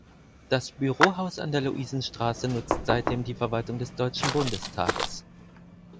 Das Bürohaus an der Luisenstraße nutzt seitdem die Verwaltung des Deutschen Bundestages.